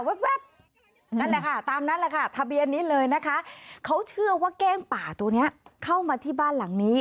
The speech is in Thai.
นั่นแหละค่ะตามนั้นแหละค่ะทะเบียนนี้เลยนะคะเขาเชื่อว่าเก้งป่าตัวนี้เข้ามาที่บ้านหลังนี้